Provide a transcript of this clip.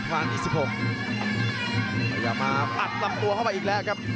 ทางอีกสิบหกพยายามมาพัดลำตัวเข้าไปอีกแล้วครับ